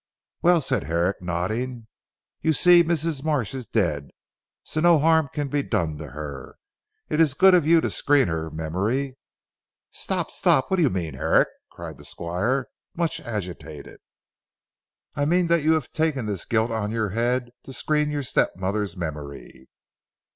"Well," said Herrick nodding, "you see Mrs. Marsh is dead, so no harm can be done to her. It is good of you to screen her memory " "Stop! Stop! What do you mean Herrick?" cried the Squire much agitated. "I mean that you have taken this guilt on your head to screen your step mother's memory."